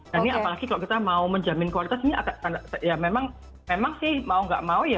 tapi apalagi kalau kita mau menjamin kualitas ini ya memang sih mau gak mau ya